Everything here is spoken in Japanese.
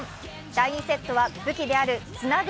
第２セットは武器であるつなぐ